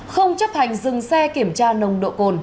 không chấp hành dừng xe kiểm tra nồng độ cồn